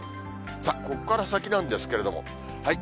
さあ、ここから先なんですけれども。